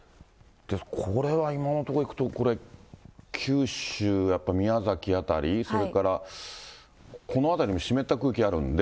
これは今のところいくと、九州、やっぱり宮崎辺り、それからこの辺りも湿った空気あるんで。